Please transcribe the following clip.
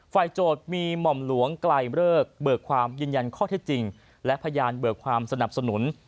โจทย์มีหม่อมหลวงไกลเลิกเบิกความยืนยันข้อเท็จจริงและพยานเบิกความสนับสนุน